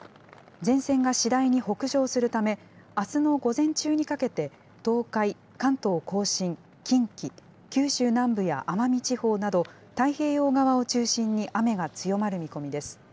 前線が次第に北上するため、あすの午前中にかけて、東海、関東甲信、近畿、九州南部や奄美地方など、太平洋側を中心に雨が強まる見込みです。